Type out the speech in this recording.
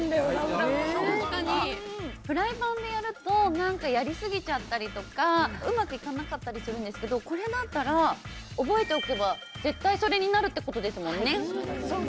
フライパンでやるとやり過ぎちゃったりとかうまくいかなかったりするんですけどこれだったら覚えておけば絶対それになるってことですもんね？